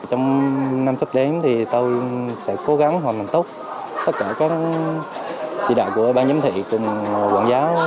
trong năm sắp đến thì tôi sẽ cố gắng hoàn thành tốt tất cả các chỉ đạo của ban giám thị cùng quảng giáo